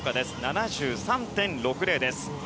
７３．６０です。